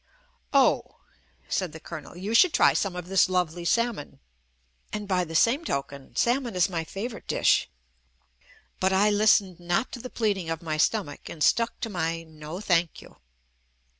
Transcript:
"Oh," said the Colonel, "you should try some of this lovely salmon," and by JUST ME the same token salmon is my favorite fish, but I listened not to the pleading of my stomach and stuck to my "No thank you."